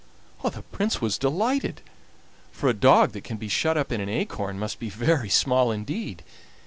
The Prince was delighted, for a dog that can be shut up in an acorn must be very small indeed.